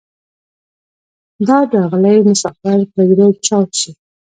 دا داغلی مسافر به زره چاود شي